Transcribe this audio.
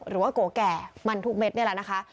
โกแก่มันทุกเม็ดนี่แหละนะคะ